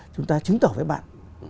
chúng ta chứng tỏ với bạn